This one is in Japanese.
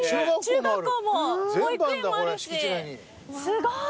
すごい。